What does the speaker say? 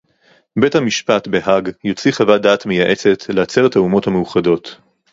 בית-המשפט בהאג יוציא חוות דעת מייעצת לעצרת האומות המאוחדות